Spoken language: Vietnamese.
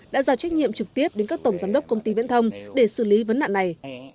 đã giao trách nhiệm trực tiếp đến các tổng giám đốc công ty viễn thông để xử lý vấn nạn này